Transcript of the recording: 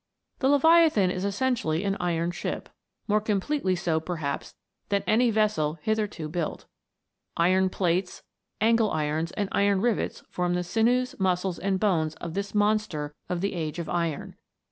The Leviathan is essentially an iron ship, more completely so perhaps than any vessel hitherto built. Iron plates, angle irons, and iron rivets form the sinews, muscles, and bones of this monster of the age of iron.